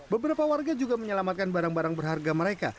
beberapa warga juga menyelamatkan barang barang berharga mereka